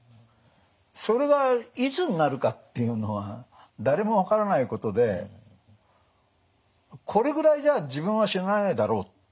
それがいつになるかっていうのは誰も分からないことでこれぐらいじゃ自分は死なないだろうって